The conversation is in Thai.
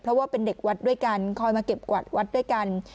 เพราะว่าเป็นเด็กวัดด้วยกันคอยมาเก็บกวาดวัดด้วยกัน